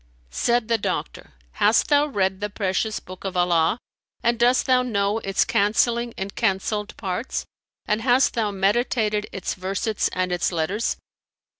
Said the doctor, "Hast thou read the precious book of Allah and dost thou know its cancelling and cancelled parts and hast thou meditated its versets and its letters?"